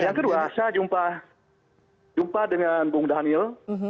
yang kedua saya jumpa dengan bung daniel